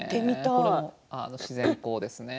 これも自然光ですね。